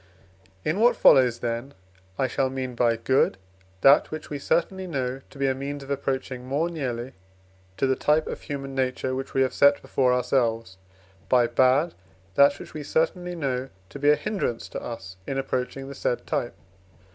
In what follows, then, I shall mean by, "good" that, which we certainly know to be a means of approaching more nearly to the type of human nature, which we have set before ourselves; by "bad," that which we certainly know to be a hindrance to us in approaching the said type.